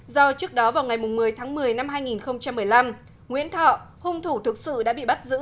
do trước đó vào ngày một mươi tháng một mươi năm hai nghìn một mươi năm nguyễn thọ hung thủ thực sự đã bị bắt giữ